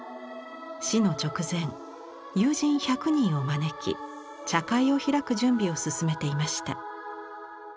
死の直前友人１００人を招き茶会を開く準備を進めていました。